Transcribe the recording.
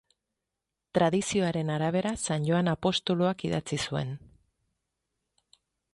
Tradizioaren arabera San Joan apostoluak idatzi zuen.